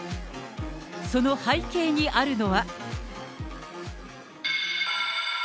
その背景にあるのは。